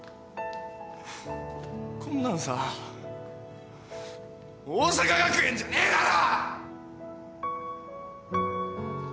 こんなんさ桜咲学園じゃねえだろ！